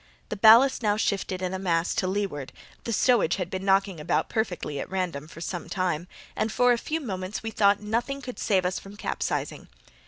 The ballast now shifted in a mass to leeward (the stowage had been knocking about perfectly at random for some time), and for a few moments we thought nothing could save us from capsizing.